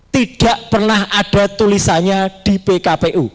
tidak pernah ada tulisannya di pkpu